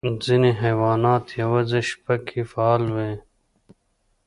ځینې حیوانات یوازې شپه کې فعال وي.